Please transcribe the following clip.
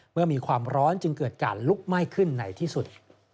เมื่อมีความร้อนจึงเกิดการลุกไหม้ขึ้นในที่สุด